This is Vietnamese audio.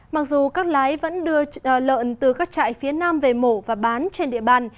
mặc dù các lái vẫn đưa lợn từ các trại phía nam về mổ và bán trên địa bàn